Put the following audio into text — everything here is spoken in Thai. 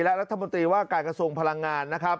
และรัฐมนตรีว่าการกระทรวงพลังงานนะครับ